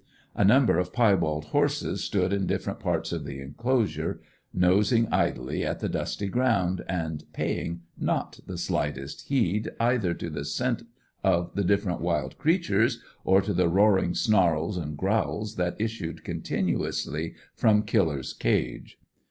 A number of piebald horses stood in different parts of the enclosure, nosing idly at the dusty ground, and paying not the slightest heed either to the scent of the different wild creatures, or to the roaring snarls and growls that issued continuously from Killer's cage.